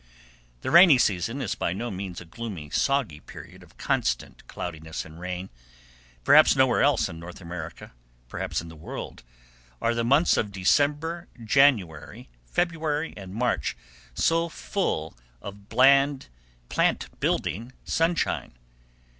The "rainy season" is by no means a gloomy, soggy period of constant cloudiness and rain. Perhaps nowhere else in North America, perhaps in the world, are the months of December, January, February, and March so full of bland, plant building sunshine.